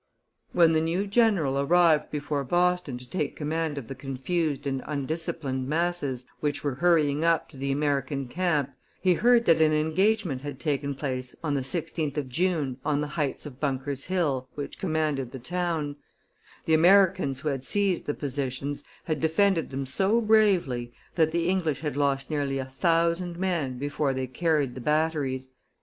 When the new general arrived before Boston to take command of the confused and undisciplined masses which were hurrying up to the American camp, he heard that an engagement had taken place on the 16th of June on the heights of Bunker's Hill, which commanded the town; the Americans who had seized the positions had defended them so bravely that the English had lost nearly a thousand men before they carried the batteries.